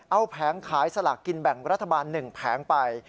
เอาแผงขายสลากกินแบ่งรัฐบาล๑แผงไป